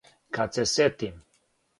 Кад се сетим.